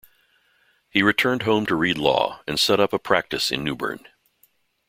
He returned home to read law, and set up a practice in New Bern.